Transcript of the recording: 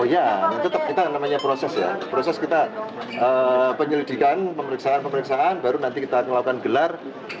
oh ya tetap kita namanya proses ya proses kita penyelidikan pemeriksaan pemeriksaan baru nanti kita melakukan gelar